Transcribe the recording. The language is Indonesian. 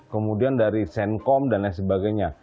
kemudian dari senkom dan lain sebagainya